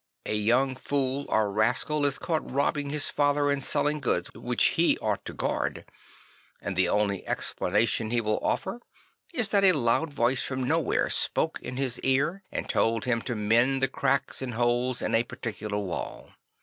A young fool or rascal is caught robbing his father and selling goods which he ought to guard; and the only explanation he will offer is that a loud voice from nowhere spoke in his ear and told him to mend the cracks and holes in a particular wall.